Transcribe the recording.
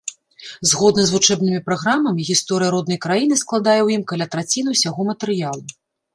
Згодна з вучэбнымі праграмамі, гісторыя роднай краіны складае ў ім каля траціны ўсяго матэрыялу.